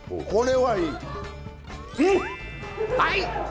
はい！